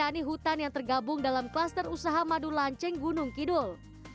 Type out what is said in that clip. dan pemerintah hutan yang tergabung dalam kluster usaha madu lancing gunung kidul